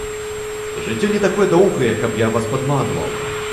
Жыццё не такое доўгае, каб я вас падманваў.